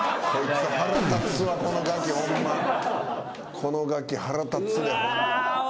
このガキ腹立つで。